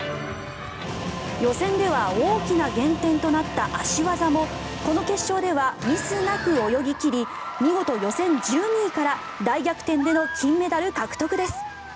予選では大きな減点となった脚技もこの決勝ではミスなく泳ぎ切り見事、予選１２位から大逆転での金メダル獲得です。